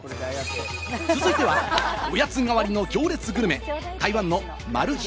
続いては、おやつ代わりの行列グルメ、台湾のマル秘